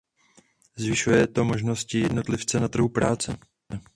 Zvyšuje to možnosti jednotlivce na trhu práce.